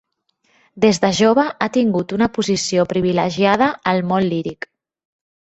Des de jove ha tingut una posició privilegiada al món líric.